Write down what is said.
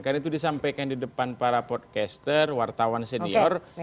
karena itu disampaikan di depan para podcaster wartawan senior